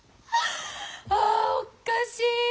あおっかしい！